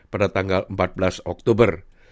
pada tanggal empat belas oktober